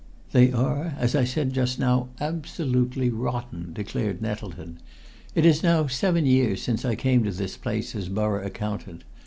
"They are, as I said just now, absolutely rotten!" declared Nettleton. "It is now seven years since I came to this place as Borough Accountant.